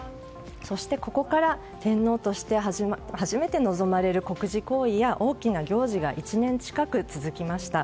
そしてここから天皇として初めて臨まれる国事行為や大きな行事が１年近く続きました。